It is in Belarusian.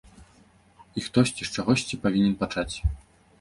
І хтосьці з чагосьці павінен пачаць.